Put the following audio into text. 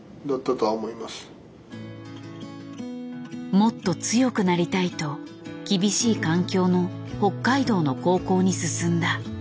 もっと強くなりたいと厳しい環境の北海道の高校に進んだ。